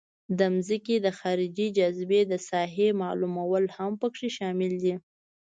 د ځمکې د خارجي جاذبې د ساحې معلومول هم پکې شامل دي